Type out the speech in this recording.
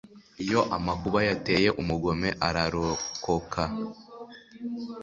iyo amakuba yateye umugome ararokoka